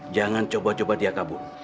jangan coba coba dia kabur